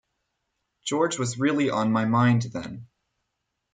George was really on my mind then.